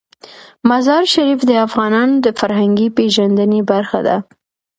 مزارشریف د افغانانو د فرهنګي پیژندنې برخه ده.